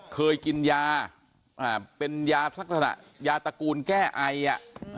เคยกินยาเป็นยาลักษณะยาตระกูลแก้ไออ่ะ